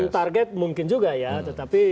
target mungkin juga ya tetapi